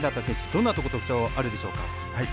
どんなところ特徴があるでしょうか？